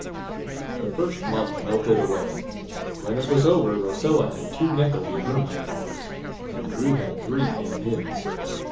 The first month melted away. When it was over, Rosella had two nickels in her mite box, and Drew had three in his.